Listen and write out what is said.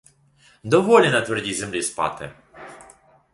Доволі на твердій землі спати!